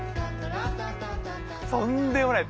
とんでもない！